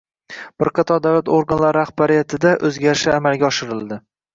Bir qator davlat organlari rahbariyatida o‘zgarishlar amalga oshirildi